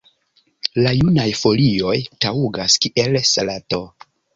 La junaj folioj taŭgas kiel salato.